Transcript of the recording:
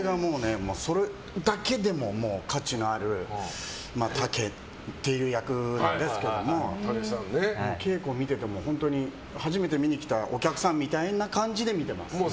それだけでも価値のあるたけっていう役なんですけど稽古を見てても初めて見に来たお客さんみたいな感じで見てます。